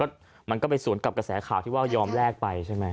มันก็ไปสวนกับกระแสข่าวที่ว่ายอมแลกไปใช่ไหม